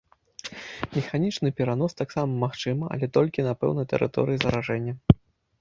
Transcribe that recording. Механічны перанос таксама магчымы, але толькі на пэўнай тэрыторыі заражэння.